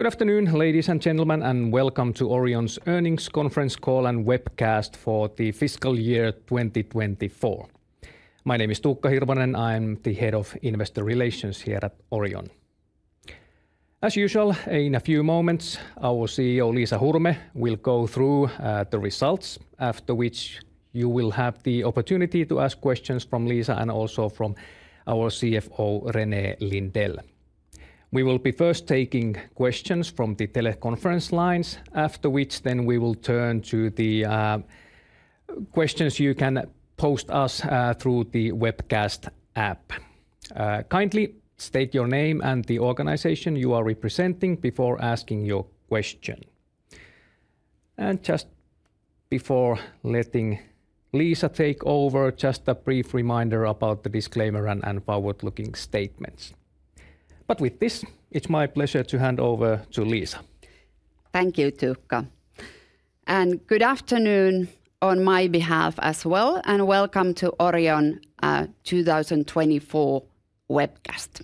Good afternoon, ladies and gentlemen, and welcome to Orion's Earnings Conference call and Webcast for the Fiscal Year 2024. My name is Tuukka Hirvonen. I'm the Head of Investor Relations here at Orion. As usual, in a few moments, our CEO, Liisa Hurme, will go through the results, after which you will have the opportunity to ask questions from Liisa and also from our CFO, René Lindell. We will be first taking questions from the teleconference lines, after which then we will turn to the questions you can post us through the webcast app. Kindly state your name and the organization you are representing before asking your question. And just before letting Liisa take over, just a brief reminder about the disclaimer and forward-looking statements. But with this, it's my pleasure to hand over to Liisa. Thank you, Tuukka, and good afternoon on my behalf as well, and welcome to Orion 2024 webcast.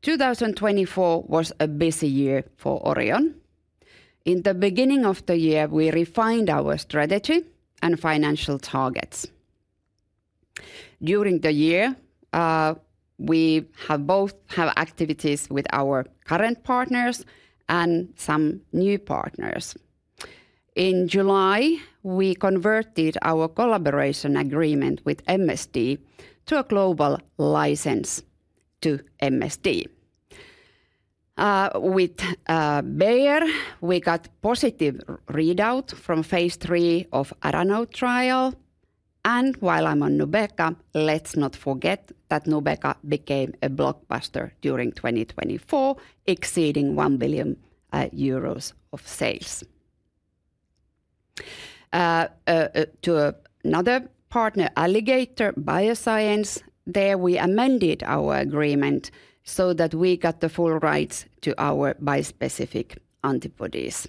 2024 was a busy year for Orion. In the beginning of the year, we refined our strategy and financial targets. During the year, we have both had activities with our current partners and some new partners. In July, we converted our collaboration agreement with MSD to a global license to MSD. With Bayer, we got positive readout from phase III of ARANOTE trial. And while I'm on Nubeqa, let's not forget that Nubeqa became a blockbuster during 2024, exceeding 1 billion euros of sales. To another partner, Alligator Bioscience, there we amended our agreement so that we got the full rights to our bispecific antibodies.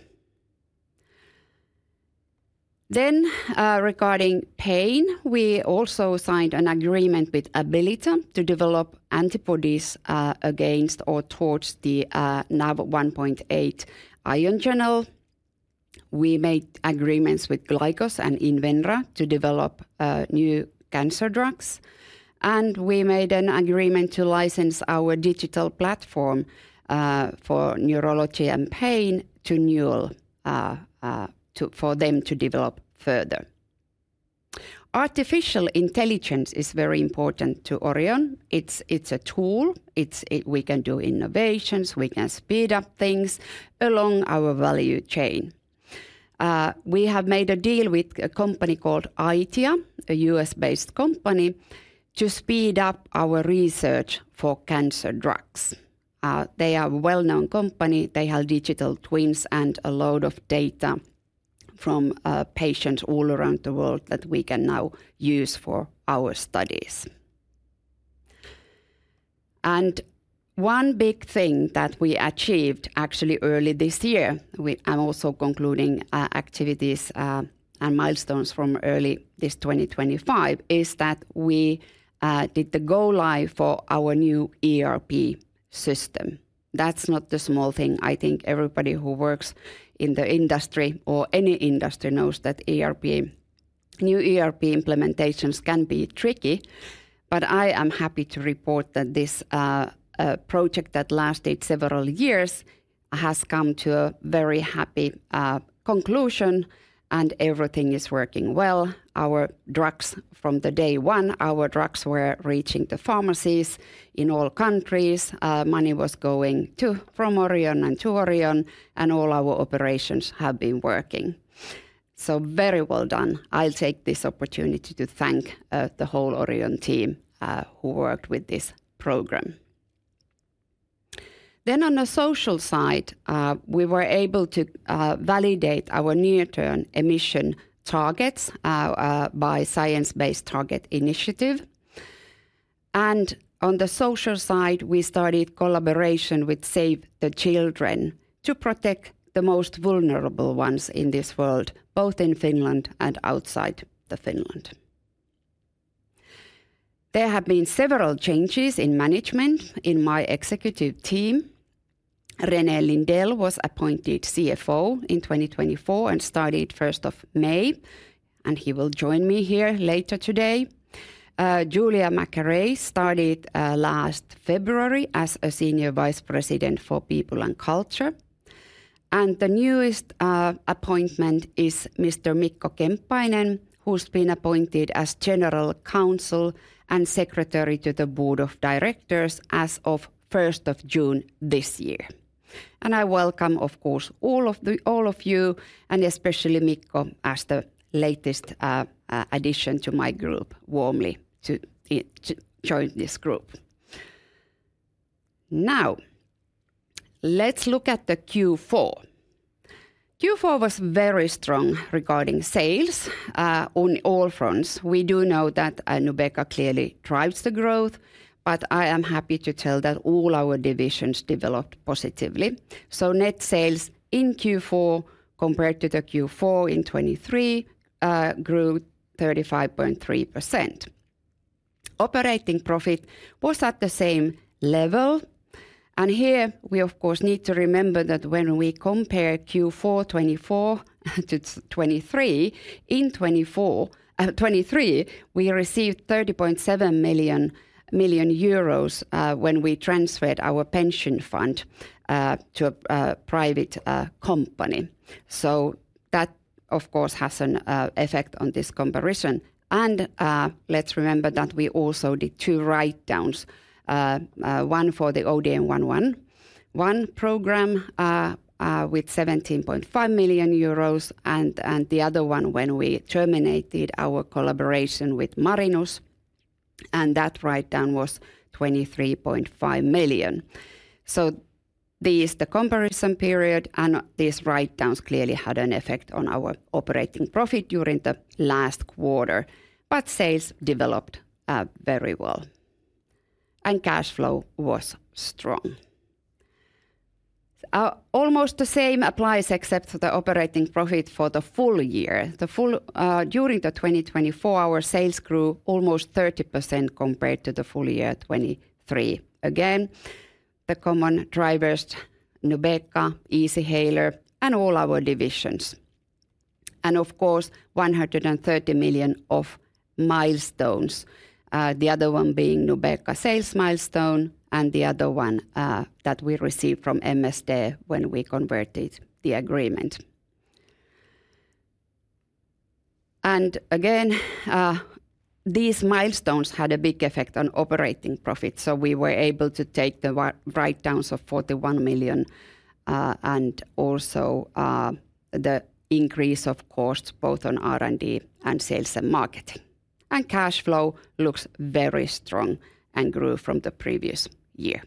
Then, regarding pain, we also signed an agreement with Abilita to develop antibodies against or towards the NaV1.8 ion channel. We made agreements with Glykos and Invenra to develop new cancer drugs. We made an agreement to license our digital platform for neurology and pain to Newel for them to develop further. Artificial intelligence is very important to Orion. It's a tool. We can do innovations. We can speed up things along our value chain. We have made a deal with a company called Aitia, a U.S. based company, to speed up our research for cancer drugs. They are a well-known company. They have digital twins and a load of data from patients all around the world that we can now use for our studies. One big thing that we achieved actually early this year, I'm also concluding activities and milestones from early this 2025, is that we did the go-live for our new ERP system. That's not a small thing. I think everybody who works in the industry or any industry knows that new ERP implementations can be tricky, but I am happy to report that this project that lasted several years has come to a very happy conclusion, and everything is working well. From day one, our drugs were reaching the pharmacies in all countries. Money was going from Orion and to Orion, and all our operations have been working, so very well done. I'll take this opportunity to thank the whole Orion team who worked with this program. Then on the social side we were able to validate our near-term emission targets by the Science Based Targets initiative, and on the social side we started collaboration with Save the Children to protect the most vulnerable ones in this world, both in Finland and outside Finland. There have been several changes in management in my executive team. René Lindell was appointed CFO in 2024 and started May 1st, and he will join me here later today. Julia Macharey started last February as Senior Vice President, People and Culture. And the newest appointment is Mr. Mikko Kemppainen, who's been appointed as General Counsel and Secretary to the Board of Directors as of June 1st this year. And I welcome, of course, all of you, and especially Mikko, as the latest addition to my group, warmly to join this group. Now, let's look at the Q4. Q4 was very strong regarding sales on all fronts. We do know that Nubeqa clearly drives the growth, but I am happy to tell that all our divisions developed positively. So net sales in Q4 compared to the Q4 in 2023 grew 35.3%. Operating profit was at the same level. Here, we, of course, need to remember that when we compare Q4 2024 to 2023, in 2023, we received 30.7 million when we transferred our pension fund to a private company. So that, of course, has an effect on this comparison. And let's remember that we also did two write-downs, one for the ODM-111 program with 17.5 million euros, and the other one when we terminated our collaboration with Marinus. And that write-down was 23.5 million. So this is the comparison period, and these write-downs clearly had an effect on our operating profit during the last quarter, but sales developed very well. And cash flow was strong. Almost the same applies, except for the operating profit for the full year. During 2024, our sales grew almost 30% compared to the full year 2023. Again, the common drivers, Nubeqa, Easyhaler, and all our divisions. Of course, 130 million of milestones, the other one being Nubeqa sales milestone, and the other one that we received from MSD when we converted the agreement. These milestones had a big effect on operating profits. We were able to take the write-downs of 41 million and also the increase of costs both on R&D and sales and marketing. Cash flow looks very strong and grew from the previous year.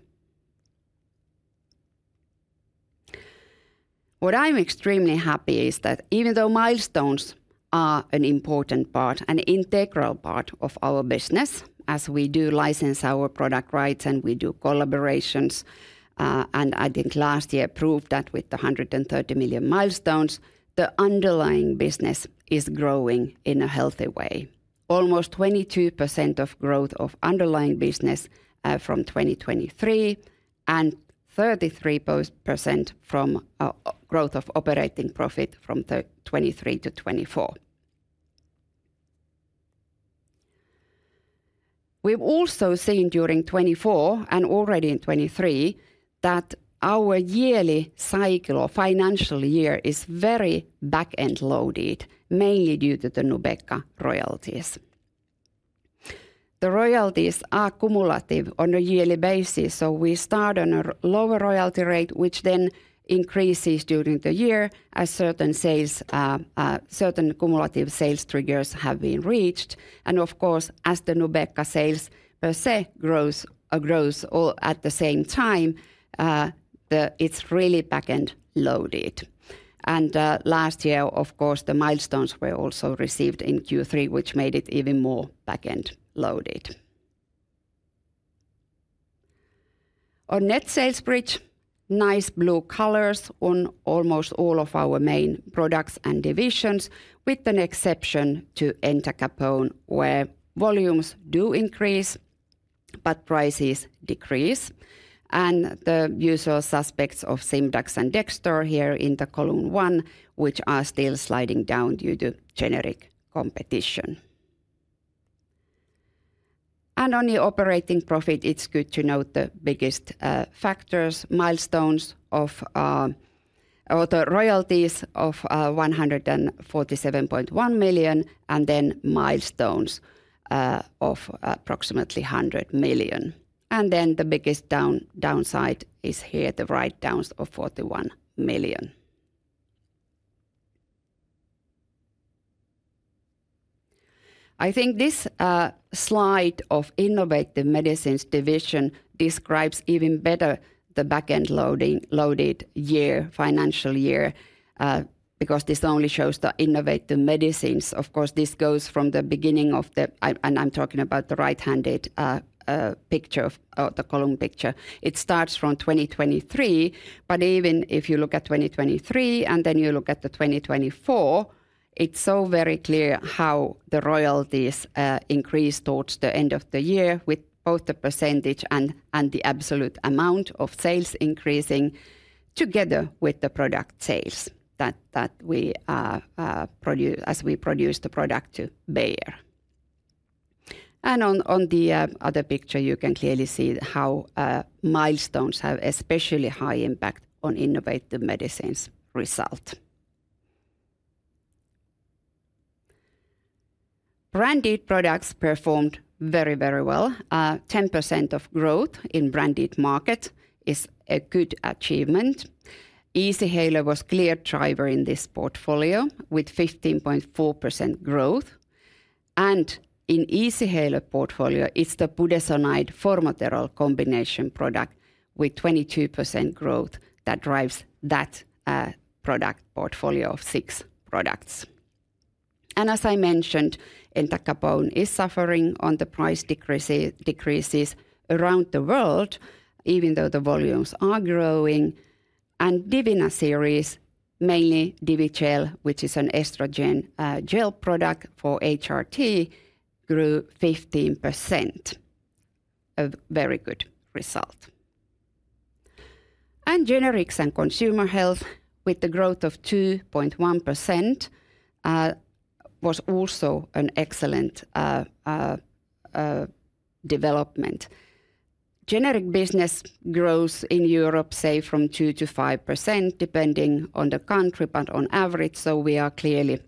What I'm extremely happy is that even though milestones are an important part, an integral part of our business, as we do license our product rights and we do collaborations. Last year proved that with the 130 million milestones, the underlying business is growing in a healthy way. Almost 22% growth of underlying business from 2023 and 33% growth of operating profit from 2023 to 2024. We've also seen during 2024 and already in 2023 that our yearly cycle or financial year is very back-end loaded, mainly due to the Nubeqa royalties. The royalties are cumulative on a yearly basis, so we start on a lower royalty rate, which then increases during the year as certain cumulative sales triggers have been reached. And of course, as the Nubeqa sales per se grow at the same time, it's really back-end loaded. And last year, of course, the milestones were also received in Q3, which made it even more back-end loaded. On net sales bridge, nice blue colors on almost all of our main products and divisions, with an exception to entacapone, where volumes do increase but prices decrease. And the usual suspects of Simdax and Dexdor here in the column one, which are still sliding down due to generic competition. And on the operating profit, it's good to note the biggest factors, milestones of royalties of 147.1 million, and then milestones of approximately 100 million. And then the biggest downside is here, the write-downs of 41 million. I think this slide of innovative medicines division describes even better the back-end loaded year, financial year, because this only shows the innovative medicines. Of course, this goes from the beginning of the, and I'm talking about the right-hand picture of the column picture. It starts from 2023, but even if you look at 2023 and then you look at the 2024, it's so very clear how the royalties increase towards the end of the year with both the percentage and the absolute amount of sales increasing together with the product sales that we produce as we produce the product to Bayer. And on the other picture, you can clearly see how milestones have especially high impact on innovative medicines result. Branded products performed very, very well. 10% of growth in branded market is a good achievement. Easyhaler was a clear driver in this portfolio with 15.4% growth. And in Easyhaler portfolio, it's the budesonide formoterol combination product with 22% growth that drives that product portfolio of six products. And as I mentioned, entacapone is suffering on the price decreases around the world, even though the volumes are growing. And Divina series, mainly Divigel, which is an estrogen gel product for HRT, grew 15%. A very good result. And generics and consumer health with the growth of 2.1% was also an excellent development. Generic business grows in Europe, say, from 2% to 5%, depending on the country, but on average. So we are clearly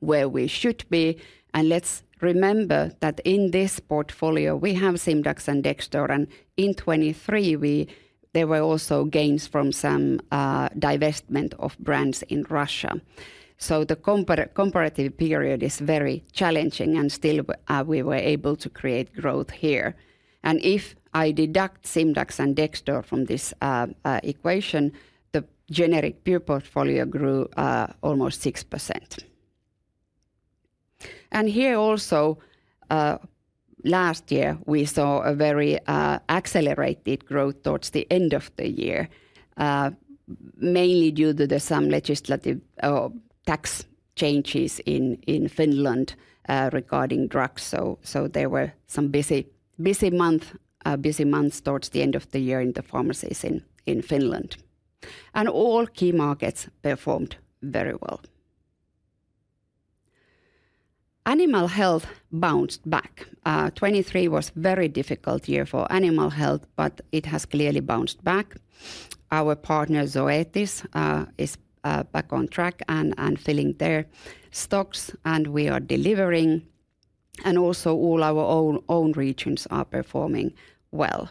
where we should be. Let's remember that in this portfolio, we have Simdax and Dexdor. In 2023, there were also gains from some divestment of brands in Russia. The comparative period is very challenging, and still we were able to create growth here. If I deduct Simdax and Dexdor from this equation, the generic pure portfolio grew almost 6%. Here also, last year, we saw a very accelerated growth towards the end of the year, mainly due to some legislative tax changes in Finland regarding drugs. There were some busy months towards the end of the year in the pharmacies in Finland. All key markets performed very well. Animal health bounced back. 2023 was a very difficult year for animal health, but it has clearly bounced back. Our partner, Zoetis, is back on track and filling their stocks, and we are delivering. Also, all our own regions are performing well.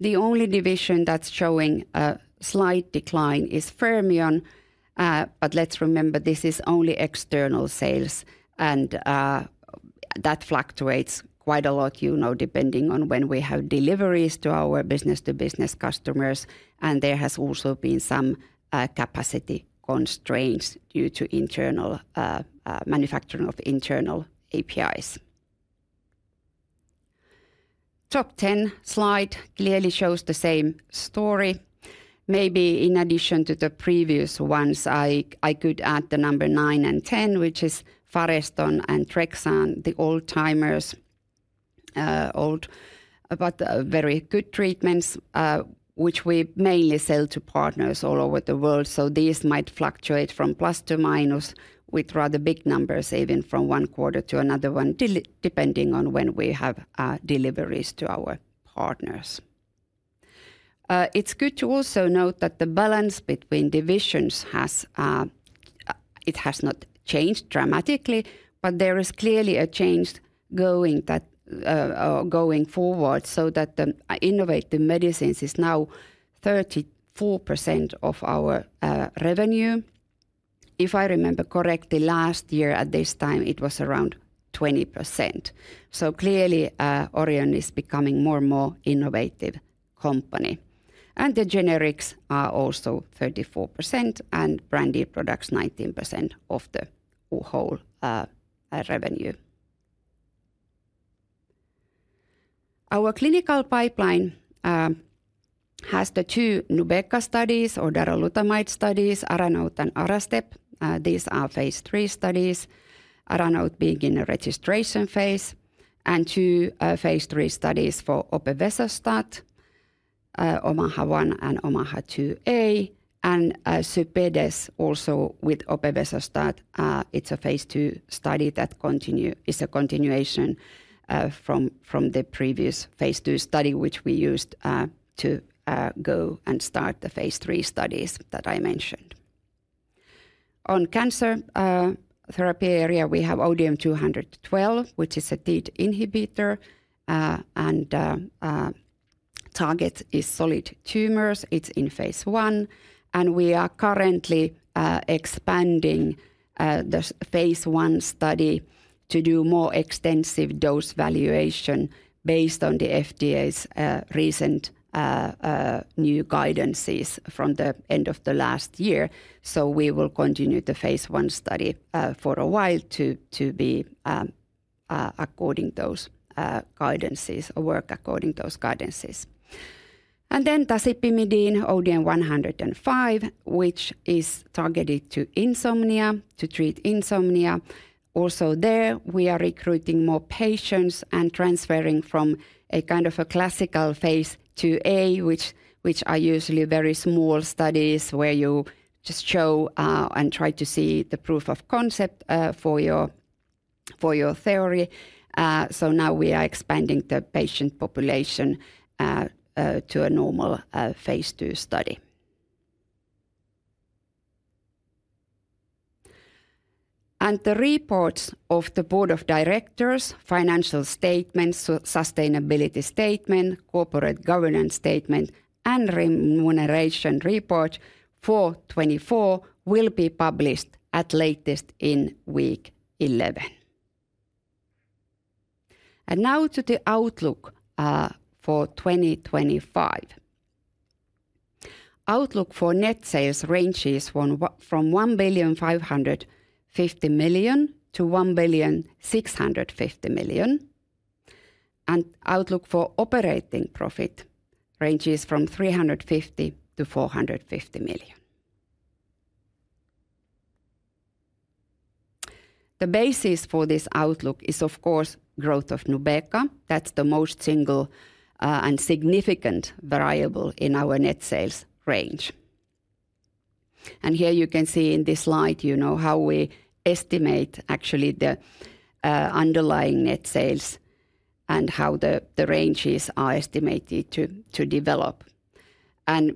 The only division that's showing a slight decline is Fermion. But let's remember, this is only external sales, and that fluctuates quite a lot, you know, depending on when we have deliveries to our business-to-business customers. And there has also been some capacity constraints due to manufacturing of internal APIs. Top 10 slide clearly shows the same story. Maybe in addition to the previous ones, I could add the number nine and 10, which is Fareston and Trexan, the old-timers, but very good treatments, which we mainly sell to partners all over the world. So these might fluctuate from plus to minus with rather big numbers, even from one quarter to another one, depending on when we have deliveries to our partners. It's good to also note that the balance between divisions has not changed dramatically, but there is clearly a change going forward so that innovative medicines is now 34% of our revenue. If I remember correctly, last year at this time, it was around 20%. So clearly, Orion is becoming more and more an innovative company. And the generics are also 34%, and branded products 19% of the whole revenue. Our clinical pipeline has the two Nubeqa studies or darilutamide studies, ARANOTE and ARASTEP. These are phase III studies, ARANOTE being in the registration phase, and two phase III studies for opevesostat, OMAHA1 and OMAHA2a. And CYPIDES also with opevesostat. It's a phase II study that is a continuation from the previous phase II study, which we used to go and start the phase III studies that I mentioned. On cancer therapy area, we have ODM-212, which is a TEAD inhibitor, and target is solid tumors. It's in phase I, and we are currently expanding the phase I study to do more extensive dose evaluation based on the FDA's recent new guidances from the end of the last year, so we will continue the phase I study for a while to be according to those guidances or work according to those guidances, and then tasipimidine, ODM-105, which is targeted to insomnia, to treat insomnia. Also there, we are recruiting more patients and transferring from a kind of a classical phase II-A, which are usually very small studies where you just show and try to see the proof of concept for your theory, so now we are expanding the patient population to a normal phase II study. The reports of the board of directors, financial statements, sustainability statement, corporate governance statement, and remuneration report for 2024 will be published at latest in week 11. Now to the outlook for 2025. Outlook for net sales ranges from 1,550 million to 1,650 million. The outlook for operating profit ranges from 350 million to 450 million. The basis for this outlook is, of course, growth of Nubeqa. That's the most single and significant variable in our net sales range. Here you can see in this slide, you know, how we estimate actually the underlying net sales and how the ranges are estimated to develop.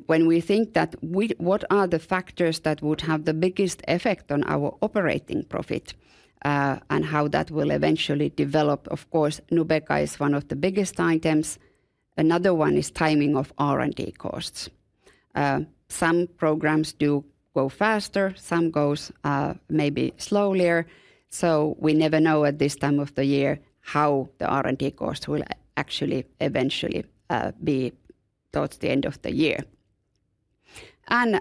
When we think that what are the factors that would have the biggest effect on our operating profit and how that will eventually develop, of course, Nubeqa is one of the biggest items. Another one is timing of R&D costs. Some programs do go faster, some go maybe slower. So we never know at this time of the year how the R&D costs will actually eventually be towards the end of the year. And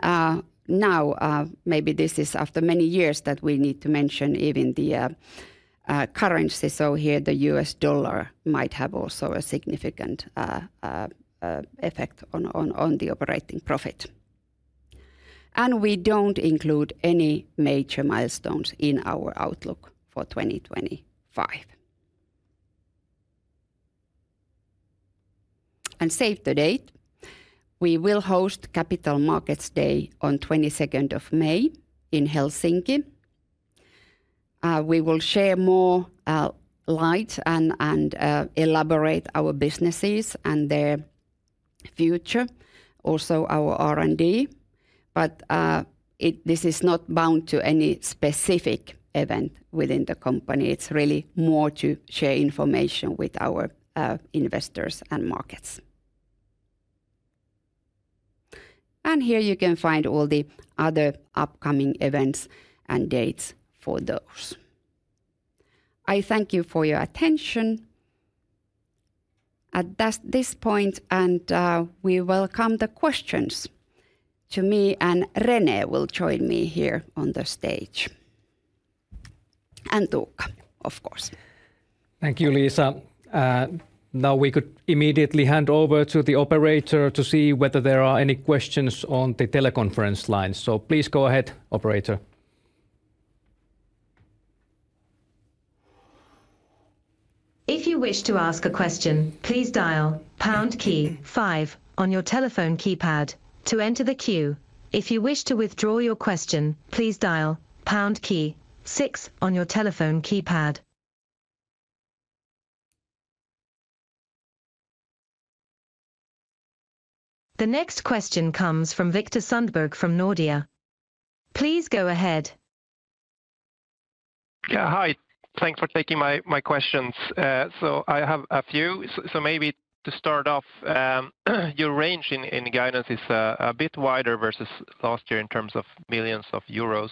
now, maybe this is after many years that we need to mention even the currency. So here, the U.S. dollar might have also a significant effect on the operating profit. And we don't include any major milestones in our outlook for 2025. And save the date. We will host Capital Markets Day on May 22nd in Helsinki. We will shed more light and elaborate on our businesses and their future, also our R&D. But this is not bound to any specific event within the company. It's really more to share information with our investors and markets. And here you can find all the other upcoming events and dates for those. I thank you for your attention. At this point, we welcome the questions to me, and René will join me here on the stage and Tuukka, of course. Thank you, Liisa. Now we could immediately hand over to the operator to see whether there are any questions on the teleconference line, so please go ahead, operator. If you wish to ask a question, please dial pound key five on your telephone keypad to enter the queue. If you wish to withdraw your question, please dial pound key six on your telephone keypad. The next question comes from Viktor Sundberg from Nordea. Please go ahead. Yeah, hi. Thanks for taking my questions, so I have a few, so maybe to start off, your range in guidance is a bit wider versus last year in terms of millions of euros.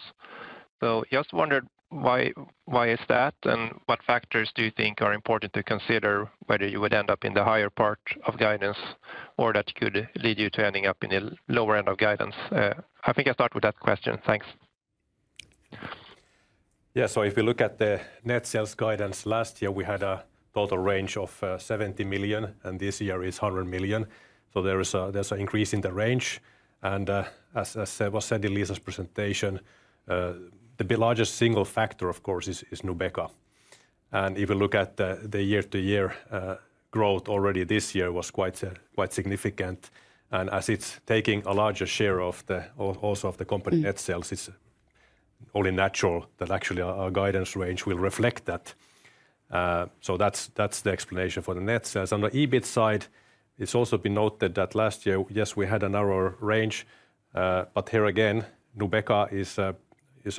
I just wondered why is that and what factors do you think are important to consider whether you would end up in the higher part of guidance or that could lead you to ending up in the lower end of guidance. I think I'll start with that question. Thanks. Yeah, so if we look at the net sales guidance last year, we had a total range of 70 million, and this year is 100 million. There's an increase in the range. As was said in Liisa's presentation, the largest single factor, of course, is Nubeqa. If we look at the year-to-year growth, already this year was quite significant. As it's taking a larger share of the also of the company net sales, it's only natural that actually our guidance range will reflect that. That's the explanation for the net sales. On the EBIT side, it's also been noted that last year, yes, we had a narrower range, but here again, Nubeqa is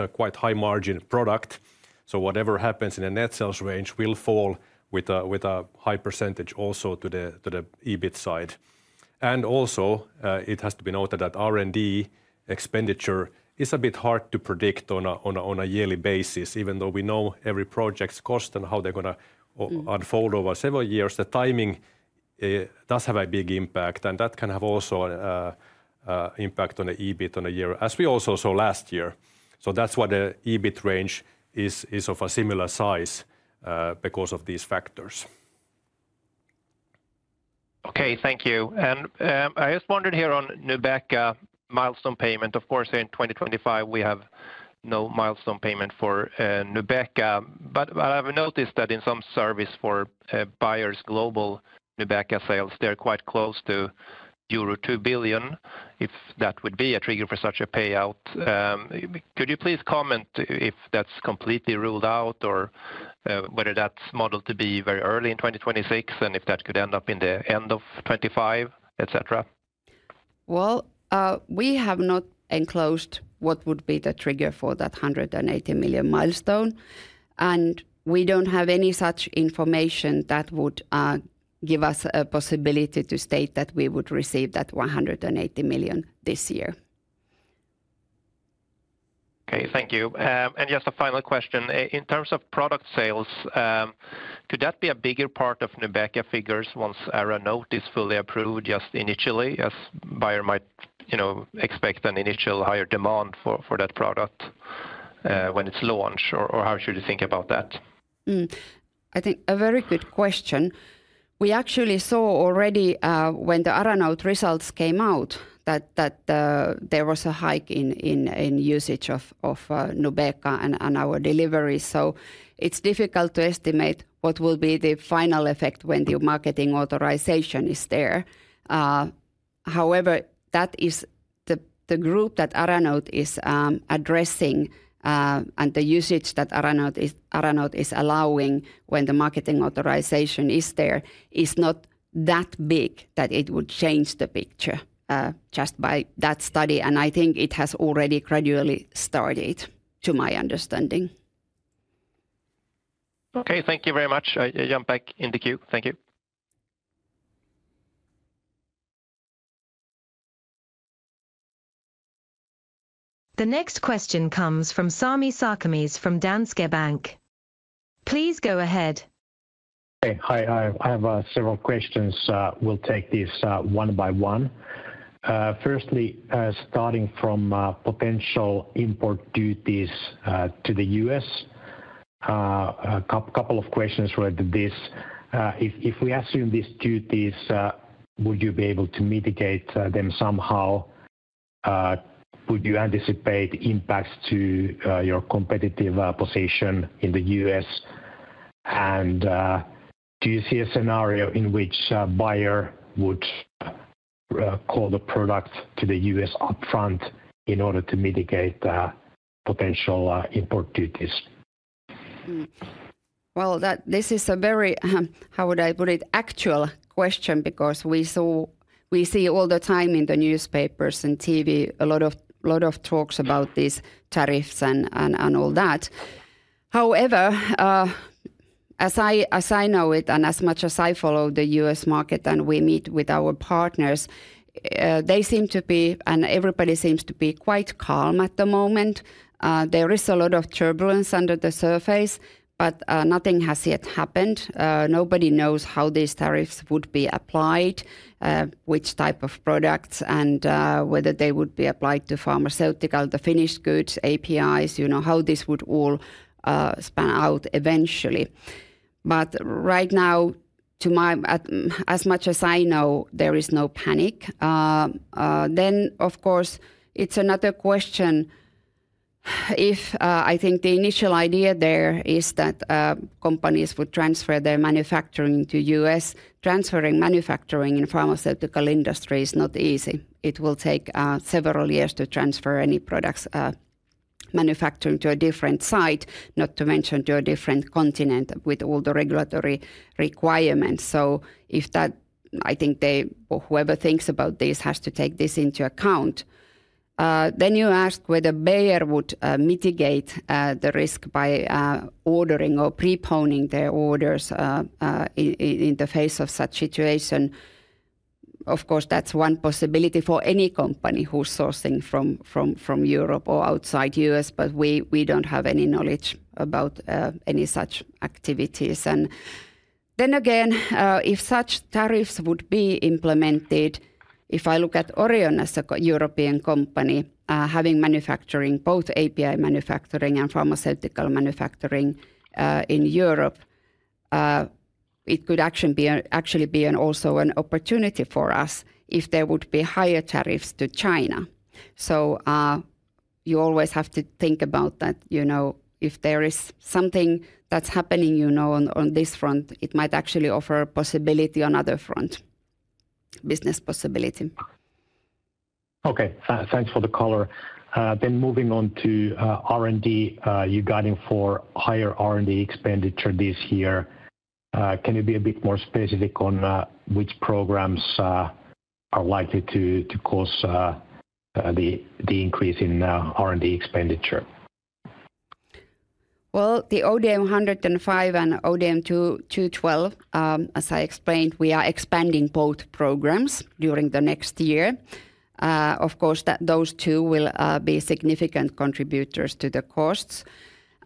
a quite high-margin product. So whatever happens in the net sales range will fall with a high percentage also to the EBIT side. And also, it has to be noted that R&D expenditure is a bit hard to predict on a yearly basis, even though we know every project's cost and how they're going to unfold over several years. The timing does have a big impact, and that can have also an impact on the EBIT on a year, as we also saw last year. So that's why the EBIT range is of a similar size because of these factors. Okay, thank you. And I just wondered here on Nubeqa milestone payment. Of course, in 2025, we have no milestone payment for Nubeqa, but I've noticed that in some services from Bayer's global Nubeqa sales, they're quite close to euro 2 billion, if that would be a trigger for such a payout. Could you please comment if that's completely ruled out or whether that's modeled to be very early in 2026 and if that could end up in the end of 2025, etc.? Well, we have not disclosed what would be the trigger for that 180 million milestone. And we don't have any such information that would give us a possibility to state that we would receive that 180 million this year. Okay, thank you. And just a final question. In terms of product sales, could that be a bigger part of Nubeqa figures once ARANOTE is fully approved just initially, as a buyer might expect an initial higher demand for that product when it's launched, or how should you think about that? I think a very good question. We actually saw already when the ARANOTE results came out that there was a hike in usage of Nubeqa and our delivery. So it's difficult to estimate what will be the final effect when the marketing authorization is there. However, that is the group that ARANOTE is addressing, and the usage that ARANOTE is allowing when the marketing authorization is there is not that big that it would change the picture just by that study. I think it has already gradually started, to my understanding. Okay, thank you very much. I jump back in the queue. Thank you. The next question comes from Sami Sarkamies from Danske Bank. Please go ahead. Hi, I have several questions. We'll take these one by one. Firstly, starting from potential import duties to the U.S., a couple of questions related to this. If we assume these duties, would you be able to mitigate them somehow? Would you anticipate impacts to your competitive position in the U.S.? And do you see a scenario in which a buyer would call the product to the U.S. upfront in order to mitigate potential import duties? Well, this is a very, how would I put it, actual question, because we see all the time in the newspapers and TV a lot of talks about these tariffs and all that. However, as I know it and as much as I follow the U.S. market and we meet with our partners, they seem to be, and everybody seems to be quite calm at the moment. There is a lot of turbulence under the surface, but nothing has yet happened. Nobody knows how these tariffs would be applied, which type of products, and whether they would be applied to pharmaceutical, the finished goods, APIs, you know how this would all pan out eventually. But right now, as much as I know, there is no panic. Then, of course, it's another question. I think the initial idea there is that companies would transfer their manufacturing to the U.S. transferring manufacturing in the pharmaceutical industry is not easy. It will take several years to transfer any products manufactured to a different site, not to mention to a different continent with all the regulatory requirements. So if that, I think whoever thinks about this has to take this into account. Then you ask whether Bayer would mitigate the risk by ordering or preponing their orders in the face of such situation. Of course, that's one possibility for any company who's sourcing from Europe or outside the U.S., but we don't have any knowledge about any such activities. And then again, if such tariffs would be implemented, if I look at Orion as a European company having manufacturing, both API manufacturing and pharmaceutical manufacturing in Europe, it could actually be also an opportunity for us if there would be higher tariffs to China. So you always have to think about that. If there is something that's happening on this front, it might actually offer a possibility on other fronts, business possibility. Okay, thanks for the color. Then moving on to R&D, you're guiding for higher R&D expenditure this year. Can you be a bit more specific on which programs are likely to cause the increase in R&D expenditure? Well, the ODM-105 and ODM-212, as I explained, we are expanding both programs during the next year. Of course, those two will be significant contributors to the costs.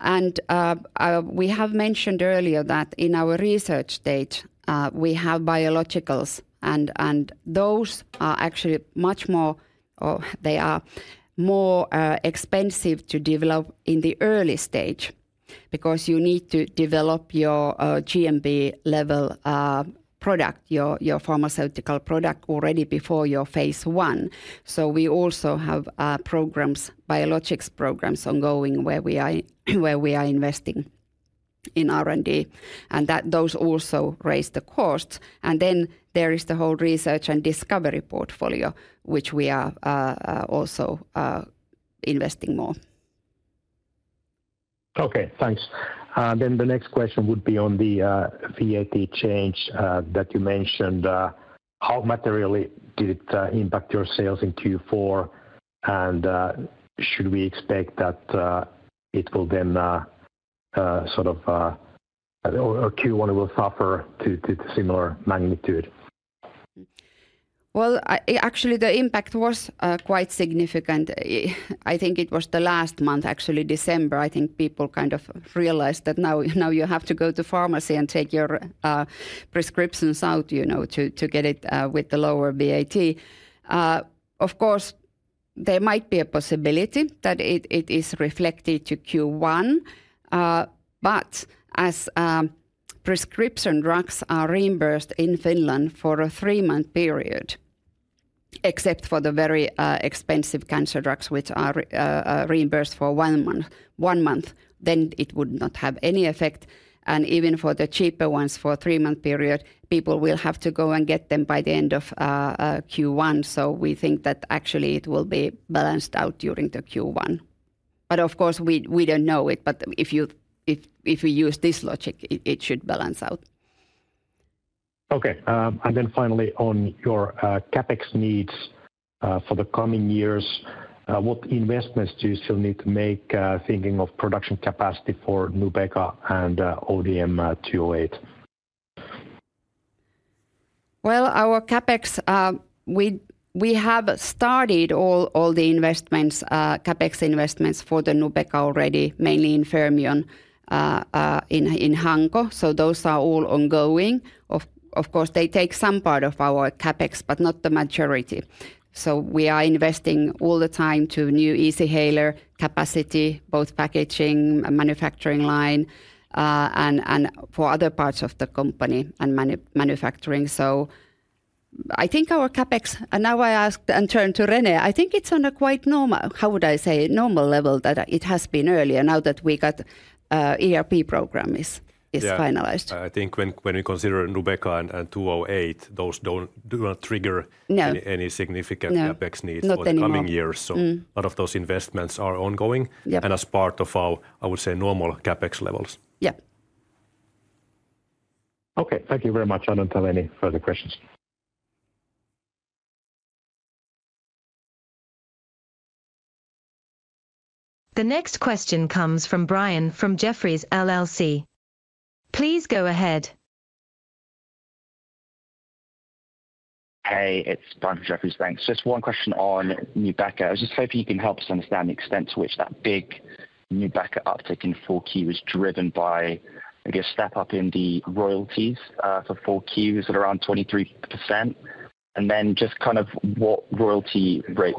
And we have mentioned earlier that in our research stage, we have biologicals, and those are actually much more, they are more expensive to develop in the early stage because you need to develop your GMP level product, your pharmaceutical product already before your phase I. So we also have programs, biologics programs ongoing where we are investing in R&D. Those also raise the cost. There is the whole research and discovery portfolio, which we are also investing more. Okay, thanks. The next question would be on the VAT change that you mentioned. How materially did it impact your sales in Q4? Should we expect that it will then sort of, or Q1 will suffer to similar magnitude? Actually, the impact was quite significant. I think it was the last month, actually December. I think people kind of realized that now you have to go to pharmacy and take your prescriptions out to get it with the lower VAT. Of course, there might be a possibility that it is reflected to Q1, but as prescription drugs are reimbursed in Finland for a three-month period, except for the very expensive cancer drugs, which are reimbursed for one month, then it would not have any effect and even for the cheaper ones for a three-month period, people will have to go and get them by the end of Q1. So we think that actually it will be balanced out during Q1. But of course, we don't know it, but if we use this logic, it should balance out. Okay. And then finally, on your CapEx needs for the coming years, what investments do you still need to make thinking of production capacity for Nubeqa and ODM-208? Well, our CapEx, we have started all the investments, CapEx investments for the Nubeqa already, mainly in Fermion in Hanko. So those are all ongoing. Of course, they take some part of our CapEx, but not the majority. So we are investing all the time to new Easyhaler capacity, both packaging and manufacturing line, and for other parts of the company and manufacturing. So I think our CapEx, and now I ask and turn to René, I think it's on a quite normal, how would I say, normal level that it has been earlier now that we got ERP program is finalized. I think when we consider Nubeqa and 208, those do not trigger any significant CapEx needs for the coming years. So a lot of those investments are ongoing and as part of our, I would say, normal CapEx levels. Yeah. Okay, thank you very much. I don't have any further questions. The next question comes from Brian from Jefferies LLC. Please go ahead. Hey, it's Brian from Jefferies. Thanks. Just one question on Nubeqa. I was just hoping you can help us understand the extent to which that big Nubeqa uptake in 4Q was driven by, I guess, step up in the royalties for 4Q. Is it around 23%? And then, just kind of, what royalty rate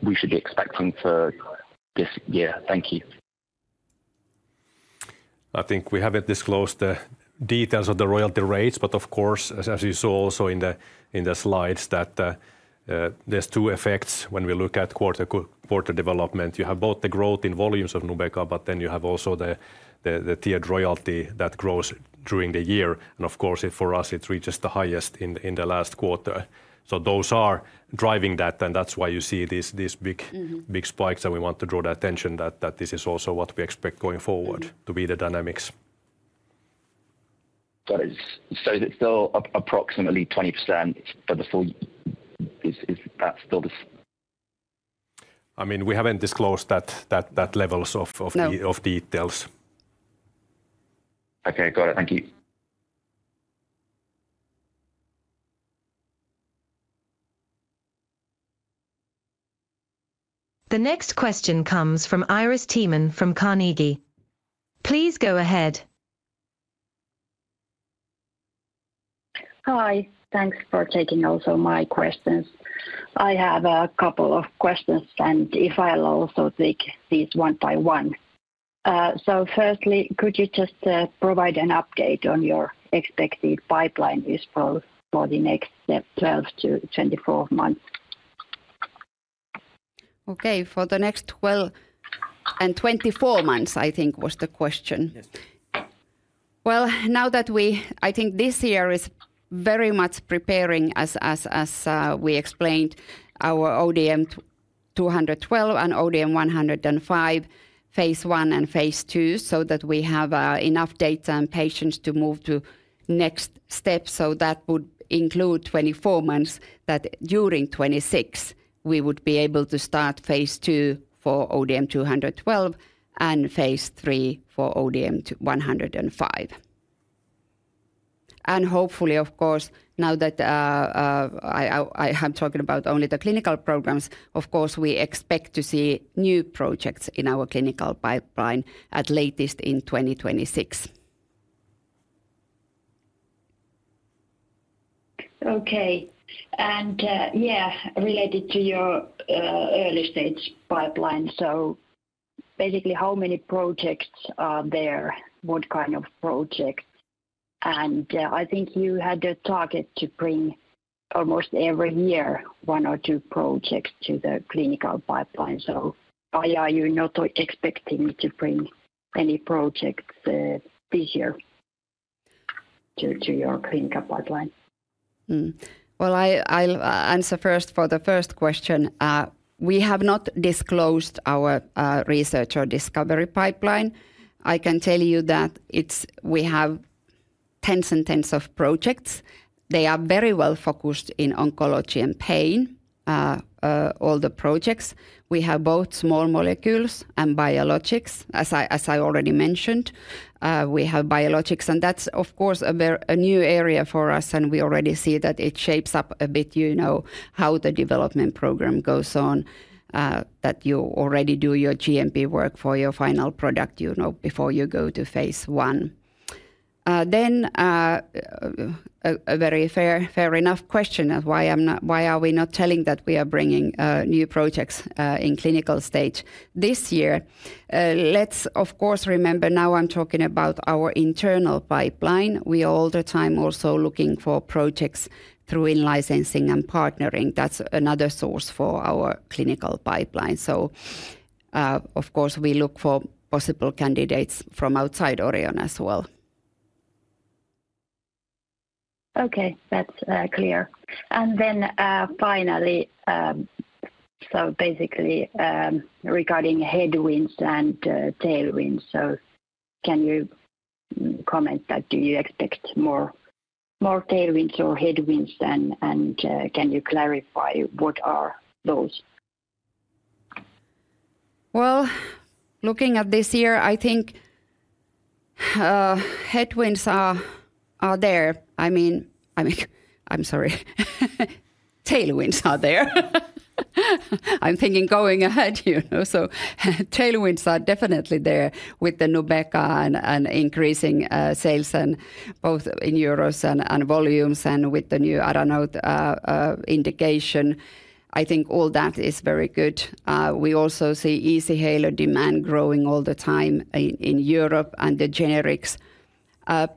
we should be expecting for this year? Thank you. I think we haven't disclosed the details of the royalty rates, but of course, as you saw also in the slides, that there's two effects when we look at quarter-to-quarter development. You have both the growth in volumes of Nubeqa, but then you have also the tiered royalty that grows during the year. And of course, for us, it reaches the highest in the last quarter. So those are driving that, and that's why you see these big spikes. And we want to draw the attention that this is also what we expect going forward to be the dynamics. So it's still approximately 20% for the full, is that still the? I mean, we haven't disclosed that level of details. Okay, got it. Thank you. The next question comes from Iiris Theman from Carnegie. Please go ahead. Hi, thanks for taking also my questions. I have a couple of questions, and I'll also take these one by one. So firstly, could you just provide an update on your expected pipeline is for the next 12 to 24 months? Okay, for the next 12 and 24 months, I think was the question. Well, now that we, I think this year is very much preparing as we explained our ODM-212 and ODM-105, phase I and phase II, so that we have enough data and patients to move to next steps. So that would include 24 months that during 2026, we would be able to start phase II for ODM-212 and phase III for ODM-105. And hopefully, of course, now that I have talked about only the clinical programs, of course, we expect to see new projects in our clinical pipeline at latest in 2026. Okay. And yeah, related to your early stage pipeline, so basically how many projects are there, what kind of projects? And I think you had a target to bring almost every year one or two projects to the clinical pipeline. So are you not expecting to bring any projects this year to your clinical pipeline? Well, I'll answer first for the first question. We have not disclosed our research or discovery pipeline. I can tell you that we have tens and tens of projects. They are very well focused in oncology and pain, all the projects. We have both small molecules and biologics, as I already mentioned. We have biologics, and that's, of course, a new area for us, and we already see that it shapes up a bit how the development program goes on, that you already do your GMP work for your final product before you go to phase I. Then a very fair enough question of why are we not telling that we are bringing new projects in clinical stage this year. Let's, of course, remember now I'm talking about our internal pipeline. We are all the time also looking for projects through licensing and partnering. That's another source for our clinical pipeline. So, of course, we look for possible candidates from outside Orion as well. Okay, that's clear. And then finally, so basically regarding headwinds and tailwinds, so can you comment that do you expect more tailwinds or headwinds, and can you clarify what are those? Well, looking at this year, I think headwinds are there. I mean, I'm sorry, tailwinds are there. I'm thinking going ahead, you know, so tailwinds are definitely there with the Nubeqa and increasing sales and both in euros and volumes and with the new, I don't know, indication. I think all that is very good. We also see Easyhaler demand growing all the time in Europe and the generics.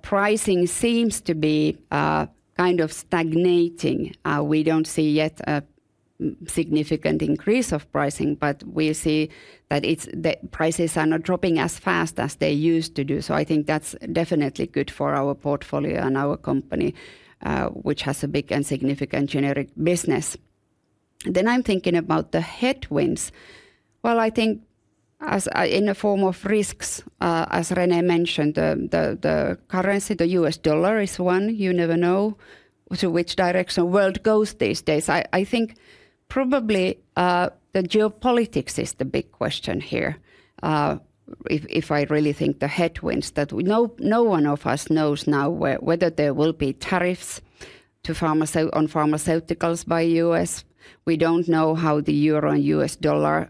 Pricing seems to be kind of stagnating. We don't see yet a significant increase of pricing, but we see that the prices are not dropping as fast as they used to do. So I think that's definitely good for our portfolio and our company, which has a big and significant generic business. Then I'm thinking about the headwinds. Well, I think in the form of risks, as René mentioned, the currency, the U.S. dollar is one. You never know to which direction the world goes these days. I think probably the geopolitics is the big question here. If I really think the headwinds that no one of us knows now whether there will be tariffs on pharmaceuticals by the U.S. We don't know how the euro and U.S. dollar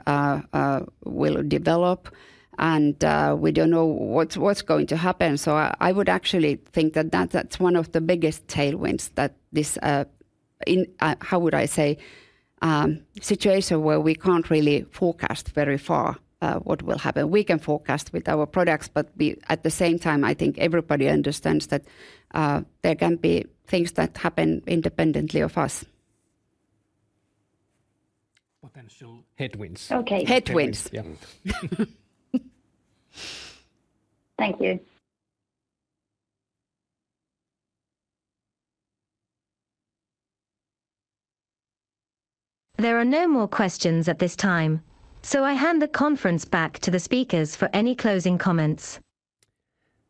will develop, and we don't know what's going to happen. So I would actually think that that's one of the biggest tailwinds that this, how would I say, situation where we can't really forecast very far what will happen. We can forecast with our products, but at the same time, I think everybody understands that there can be things that happen independently of us. Potential headwinds. Okay, headwinds. Thank you. There are no more questions at this time, so I hand the conference back to the speakers for any closing comments.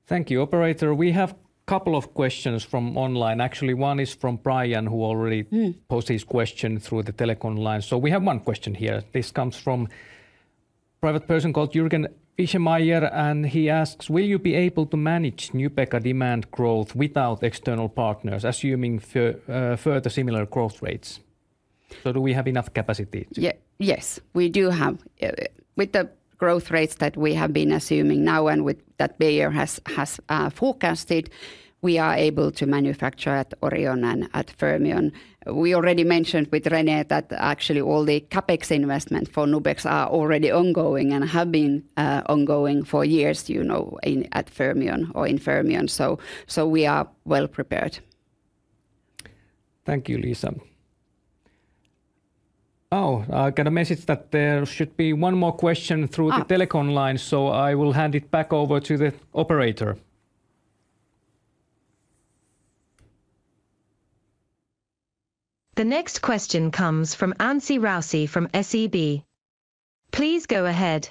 Thank you, operator. We have a couple of questions from online. Actually, one is from Brian who already posed his question through the telecom line. So we have one question here. This comes from a private person called Jürgen Wischemeyer, and he asks, will you be able to manage Nubeqa demand growth without external partners, assuming further similar growth rates? So do we have enough capacity? Yes, we do have. With the growth rates that we have been assuming now and with that Bayer has forecasted, we are able to manufacture at Orion and at Fermion. We already mentioned with René that actually all the CapEx investment for Nubeqa are already ongoing and have been ongoing for years, you know, at Fermion or in Fermion. So we are well prepared. Thank you, Liisa. Oh, I can mention that there should be one more question through the telephone line, so I will hand it back over to the operator. The next question comes from Anssi Raussi from SEB. Please go ahead.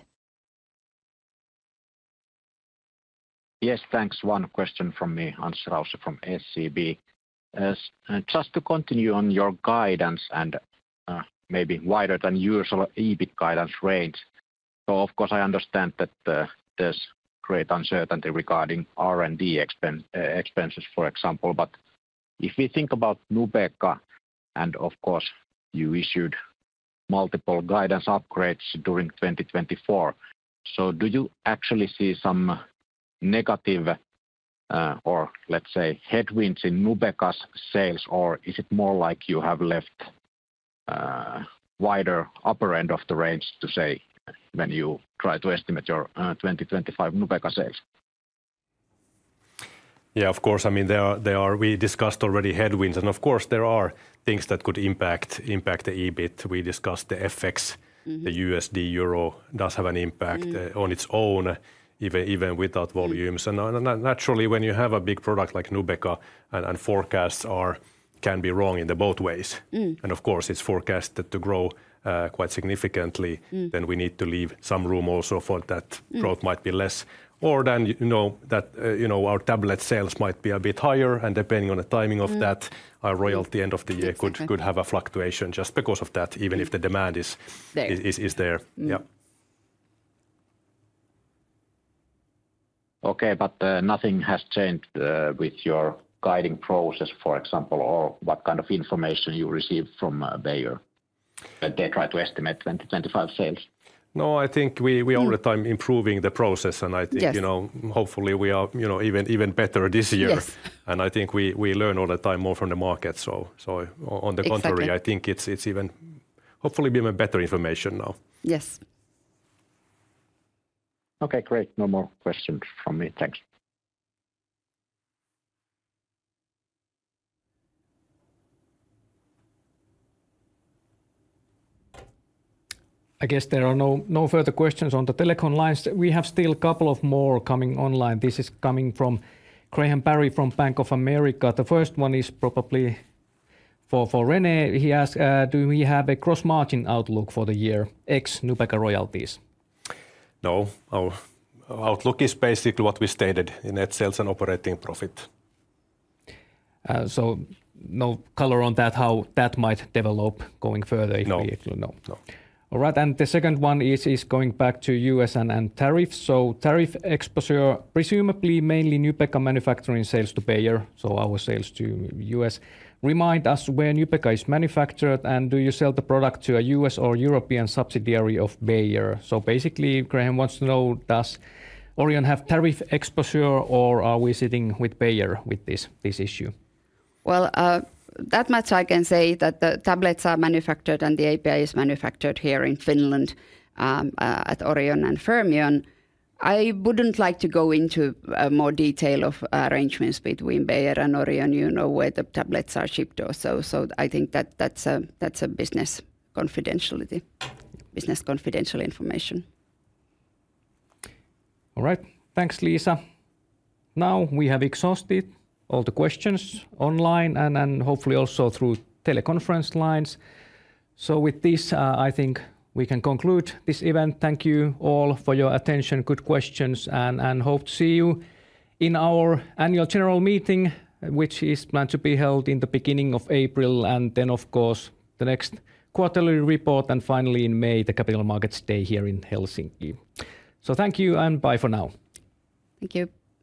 Yes, thanks. One question from me, Anssi Raussi from SEB. Just to continue on your guidance and maybe wider than usual EBIT guidance range. So of course, I understand that there's great uncertainty regarding R&D expenses, for example, but if we think about Nubeqa and of course you issued multiple guidance upgrades during 2024, so do you actually see some negative or let's say headwinds in Nubeqa's sales, or is it more like you have left wider upper end of the range to say when you try to estimate your 2025 Nubeqa sales? Yeah, of course. I mean, we discussed already headwinds, and of course there are things that could impact the EBIT. We discussed the FX, the USD euro does have an impact on its own, even without volumes. And naturally, when you have a big product like Nubeqa, and forecasts can be wrong in both ways. And of course, it's forecasted to grow quite significantly, then we need to leave some room also for that growth might be less, or then you know that our tablet sales might be a bit higher, and depending on the timing of that, our royalty end of the year could have a fluctuation just because of that, even if the demand is there. Yeah. Okay, but nothing has changed with your guiding process, for example, or what kind of information you receive from Bayer when they try to estimate 2025 sales? No, I think we are all the time improving the process, and I think hopefully we are even better this year. And I think we learn all the time more from the market. So on the contrary, I think it's even hopefully been better information now. Yes. Okay, great. No more questions from me. Thanks. I guess there are no further questions on the telecom lines. We have still a couple of more coming online. This is coming from Graham Parry from Bank of America. The first one is probably for René. He asks, do we have a gross margin outlook for the year ex Nubeqa royalties? No, our outlook is basically what we stated in net sales and operating profit. So no color on that, how that might develop going further if we include? No. All right. And the second one is going back to U.S. and tariffs. So tariff exposure, presumably mainly Nubeqa manufacturing sales to Bayer, so our sales to U.S. Remind us where Nubeqa is manufactured, and do you sell the product to a U.S. or European subsidiary of Bayer? So basically, Graham wants to know, does Orion have tariff exposure, or are we sitting with Bayer with this issue? Well, that much I can say that the tablets are manufactured and the API is manufactured here in Finland at Orion and Fermion. I wouldn't like to go into more detail of arrangements between Bayer and Orion, you know, where the tablets are shipped or so. So I think that that's a business confidentiality, business confidential information. All right. Thanks, Liisa. Now we have exhausted all the questions online and hopefully also through teleconference lines. So with this, I think we can conclude this event. Thank you all for your attention, good questions, and hope to see you in our annual general meeting, which is planned to be held in the beginning of April, and then of course the next quarterly report, and finally in May, the capital markets day here in Helsinki. So thank you and bye for now. Thank you.